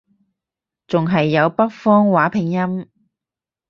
仲係有北方話拼音